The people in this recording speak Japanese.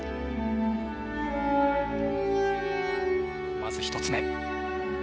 まず１つ目。